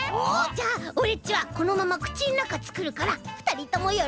じゃあオレっちはこのままくちのなかつくるからふたりともよろしくね！